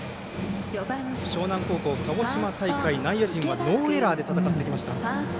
樟南高校、鹿児島大会内野陣はノーエラーで戦ってきました。